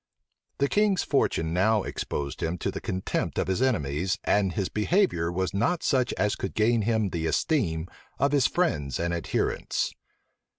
The king s fortune now exposed him to the contempt of his enemies and his behavior was not such as could gain him the esteem of his friends and adherents.